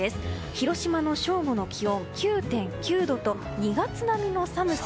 広島の正午の気温、９．９度と２月並みの寒さ。